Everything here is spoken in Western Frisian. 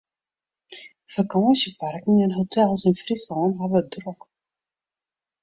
Fakânsjeparken en hotels yn Fryslân hawwe it drok.